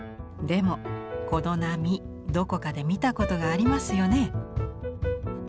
でもこの波どこかで見たことがありますよね？